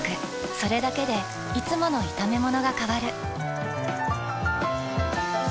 それだけでいつもの炒めものが変わる。